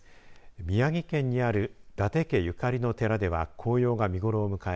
宮城県にある伊達家ゆかりの寺では紅葉が見ごろを迎え